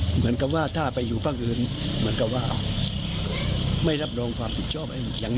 เหมือนกับว่าถ้าไปอยู่ภาคอื่นเหมือนกับว่าไม่รับรองความผิดชอบ